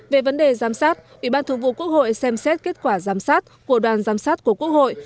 về vấn đề giám sát ủy ban thường vụ quốc hội xem xét kết quả giám sát của đoàn giám sát của quốc hội